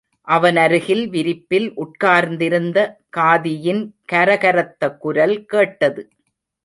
அவனருகிலே விரிப்பில் உட்கார்ந்திருந்த காதியின் கர கரத்த குரல் கேட்டது.